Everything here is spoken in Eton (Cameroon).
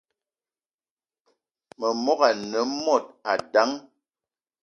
Memogo ane mod dang